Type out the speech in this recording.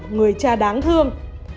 người cha đáng thương